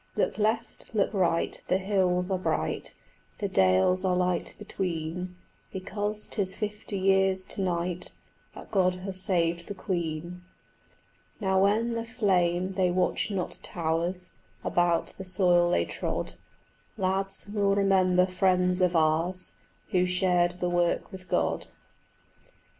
Look left, look right, the hills are bright, The dales are light between, Because 'tis fifty years to night That God has saved the Queen. Now, when the flame they watch not towers About the soil they trod, Lads, we'll remember friends of ours Who shared the work with God.